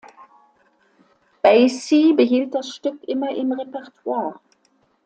Basie behielt das Stück immer im Repertoire.